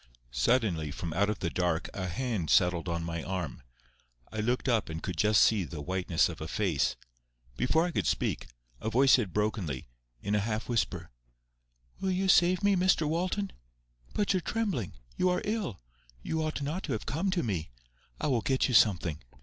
Suddenly from out of the dark a hand settled on my arm. I looked up and could just see the whiteness of a face. Before I could speak, a voice said brokenly, in a half whisper:— "WILL you save me, Mr Walton? But you're trembling; you are ill; you ought not to have come to me. I will get you something."